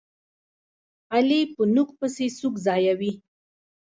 علي په نوک پسې سوک ځایوي.